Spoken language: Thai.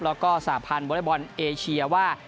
แล้วก็สหพาลบริวอลอาเชียว่า